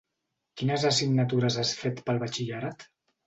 Quines assignatures has fet pel batxillerat?